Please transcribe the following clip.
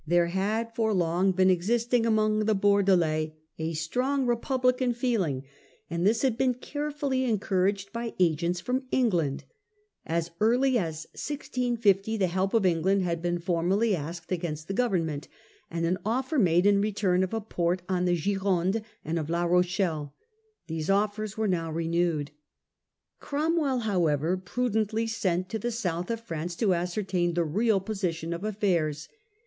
There had for long been existing among the Bordelais a strong Republican feeling, and this had been carefully en Condd couraged by agents from England. As early applies to as 1650 the help of England had been formally Cromwell, as k cc j against the government, and an offer made in return of a port on the Gironde, and of La Rochelle. These offers were now renewed. Cromwell however prudently sent to the south of France to ascertain the real position of affairs.